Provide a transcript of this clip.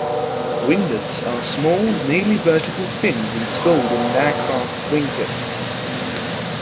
Winglets are small, nearly vertical fins installed on an aircraft's wing tips.